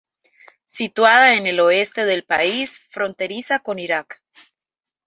Situada en el oeste del país, fronteriza con Irak.